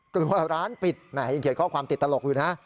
หรือว่าร้านปิดยังเขียนข้อความติดตลกอยู่นะ